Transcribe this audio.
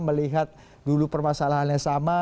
melihat dulu permasalahannya sama